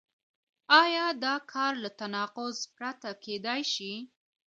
آیا دا کار له تناقض پرته کېدای شي؟